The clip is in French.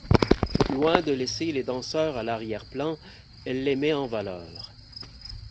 Loin de laisser les danseurs à l'arrière-plan, elle les met en valeur.